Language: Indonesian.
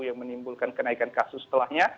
yang menimbulkan kenaikan kasus setelahnya